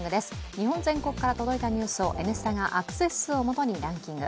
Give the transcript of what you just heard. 日本全国から届いたニュースを「Ｎスタ」がアクセス数をもとにランキング。